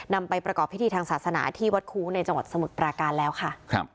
นำไปประกอบพิธีทางศาสนาที่วัดคู้ในจังหวัดสมุทรปราการแล้วค่ะ